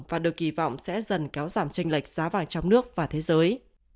và được kỳ vọng sẽ dần kéo giảm tranh lệch giá vàng trong nước và thế giới